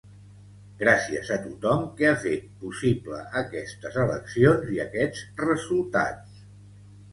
Gràcies a tothom que ha fet possible aquestes eleccions i aquests resultats.